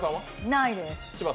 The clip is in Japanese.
ないです。